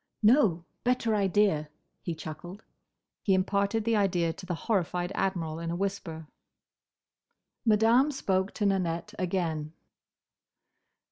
"No! Better idea!" he chuckled. He imparted the idea to the horrified Admiral in a whisper. Madame spoke to Nanette again.